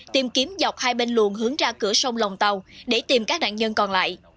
tìm kiếm dọc hai bên luồng hướng ra cửa sông lòng tàu để tìm các nạn nhân còn lại